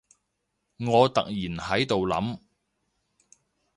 我突然喺度諗